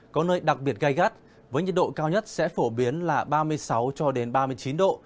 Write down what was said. có nơi đặc biệt gai gắt với nhật độ cao nhất sẽ phổ biến là ba mươi sáu ba mươi bảy độ